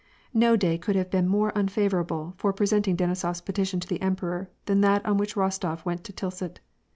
No day could have been more unfavorable for presenting Denisof's petition to the emperor, than that on which Rostof went to Tilsit.